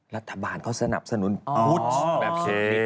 รัฐบาลเขาสนับสนุนหลุดแบบเค